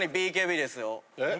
えっ？